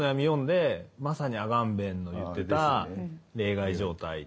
読んでまさにアガンベンの言ってた「例外状態」。